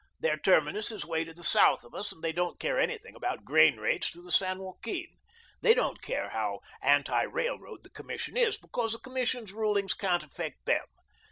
Their terminus is way to the south of us, and they don't care anything about grain rates through the San Joaquin. They don't care how anti railroad the Commission is, because the Commission's rulings can't affect them.